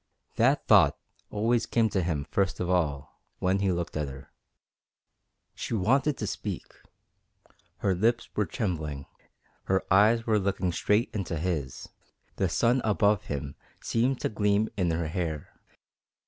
That thought always came to him first of all when he looked at her. She wanted to speak. Her lips were trembling, her eyes were looking straight into his, the sun above him seemed to gleam in her hair.